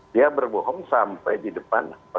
dia berbohong sampai di depan